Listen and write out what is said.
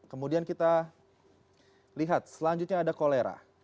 kemudian kita lihat selanjutnya ada kolera